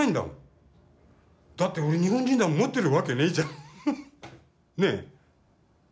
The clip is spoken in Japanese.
だって俺日本人だもん持ってるわけねえじゃん。ね？